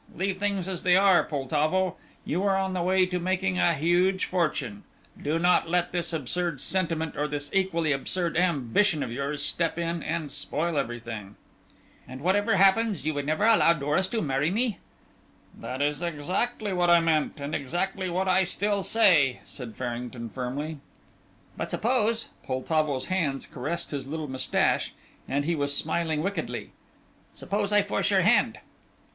Leave things as they are, Poltavo. You are on the way to making a huge fortune; do not let this absurd sentiment, or this equally absurd ambition of yours, step in and spoil everything." "And whatever happens you would never allow Doris to marry me?" "That is exactly what I meant, and exactly what I still say," said Farrington, firmly. "But, suppose," Poltavo's hands caressed his little moustache, and he was smiling wickedly, "suppose I force your hand?"